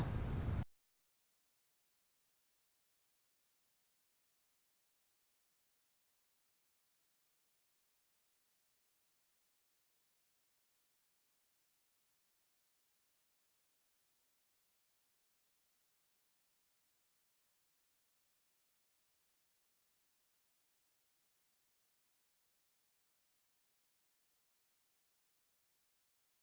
hẹn gặp lại